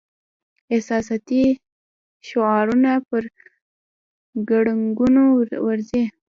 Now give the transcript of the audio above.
احساساتي شعارونه پر ګړنګونو ورځي.